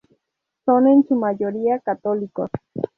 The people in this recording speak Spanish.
Son en su mayoría católicos.